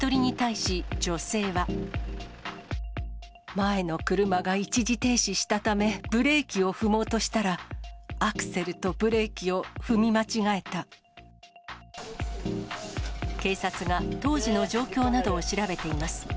前の車が一時停止したため、ブレーキを踏もうとしたら、アクセルとブレーキを踏み間違え警察が当時の状況などを調べています。